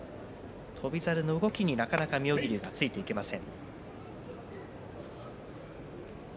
翔猿の動きになかなか妙義龍がついていけません。